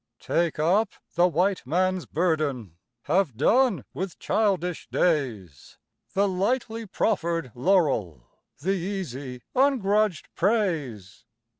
Take up the White Man's burden Have done with childish days The lightly proffered laurel The easy, ungrudged praise.